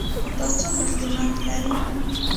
دا څومره قیمت لري ?